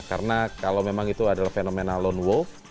karena kalau memang itu adalah fenomena lone wolf